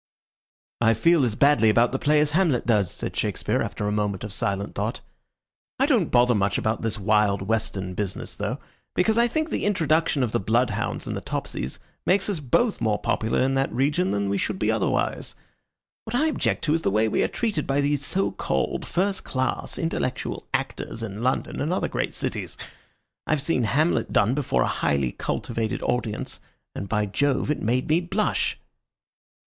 '" "I feel as badly about the play as Hamlet does," said Shakespeare, after a moment of silent thought. "I don't bother much about this wild Western business, though, because I think the introduction of the bloodhounds and the Topsies makes us both more popular in that region than we should be otherwise. What I object to is the way we are treated by these so called first class intellectual actors in London and other great cities. I've seen Hamlet done before a highly cultivated audience, and, by Jove, it made me blush."